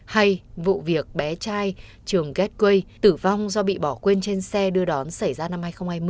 hay vụ việc bé trai trường gateway tử vong do bị bỏ quên trên xe đưa đón xảy ra năm hai nghìn hai mươi